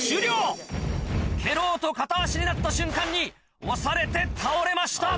蹴ろうと片足になった瞬間に押されて倒れました。